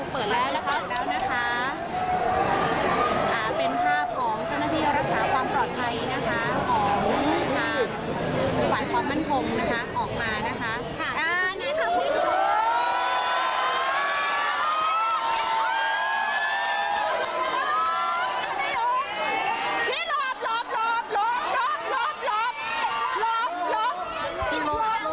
ประตูเปิดแล้วนะคะ